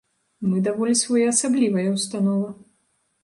Мы даволі своеасаблівая ўстанова.